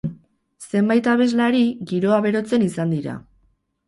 Zenbait abeslari giroa berotzen izan dira.